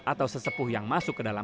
atau sesepuh yang masuk ke dalam